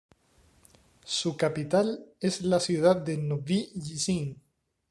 Su capital es la ciudad de Nový Jičín.